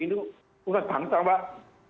itu bukan bangsa mbak